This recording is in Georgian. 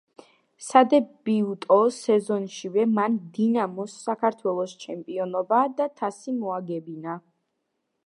სადებიუტო სეზონშივე მან „დინამოს“ საქართველოს ჩემპიონობა და თასი მოაგებინა.